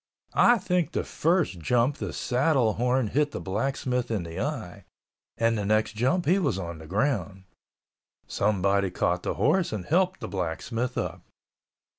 I think the first jump the saddle horn hit the blacksmith in the eye, and the next jump he was on the ground. Somebody caught the horse and helped the blacksmith up.